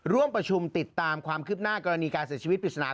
ร่วมประชุมติดตามความคืบหน้ากรณีการเสียชีวิตปริศนา